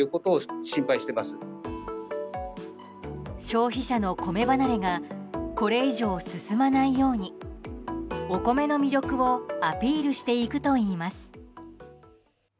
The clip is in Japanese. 消費者の米離れがこれ以上、進まないようにお米の魅力をアピールしていくといいます。